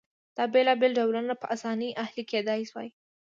دا بېلابېل ډولونه په اسانۍ اهلي کېدای شول